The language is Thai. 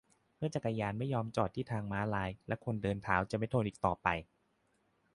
เมื่อจักรยานไม่ยอมจอดที่ทางม้าลาย และคนเดินเท้าจะไม่ทนอีกต่อไป !